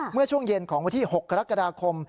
เมื่อช่วงเย็นของวันที่๖กรกฎาคม